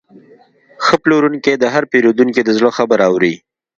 ښه پلورونکی د هر پیرودونکي د زړه خبره اوري.